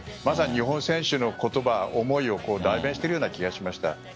まさに日本選手の言葉、思いを代弁しているような気がしました。